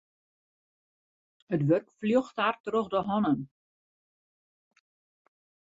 It wurk fljocht har troch de hannen.